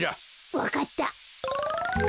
わかった。